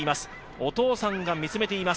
お父さんが見つめています。